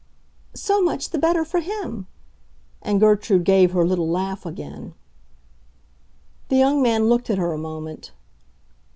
"So much the better for him!" And Gertrude gave her little laugh again. The young man looked at her a moment.